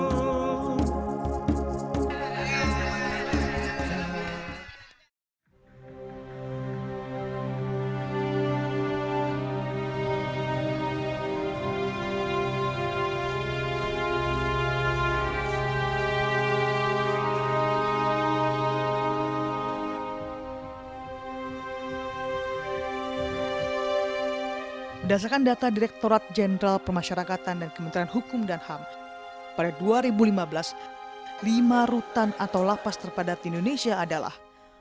berdasarkan data direktorat jenderal permasyarakatan dan kementerian hukum dan ham pada dua ribu lima belas lima rutan atau lapas terpadat di indonesia adalah